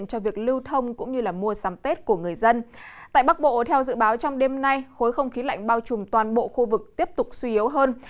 theo dự báo trong đêm nay khối không khí lạnh bao trùm toàn bộ khu vực tiếp tục suy yếu hơn